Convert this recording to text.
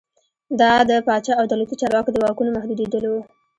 دا د پاچا او دولتي چارواکو د واکونو محدودېدل و.